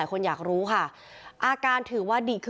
ลองไปดูบรรยากาศช่วงนั้นนะคะ